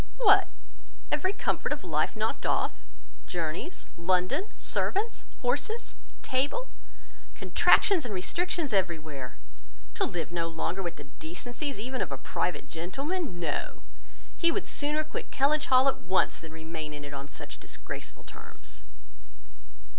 "What! every comfort of life knocked off! Journeys, London, servants, horses, table—contractions and restrictions every where! To live no longer with the decencies even of a private gentleman! No, he would sooner quit Kellynch Hall at once, than remain in it on such disgraceful terms."